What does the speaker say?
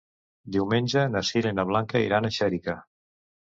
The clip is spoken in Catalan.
Diumenge na Sira i na Blanca iran a Xèrica.